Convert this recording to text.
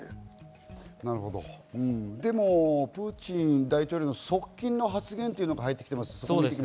でもプーチン大統領の側近の発言が入ってきています。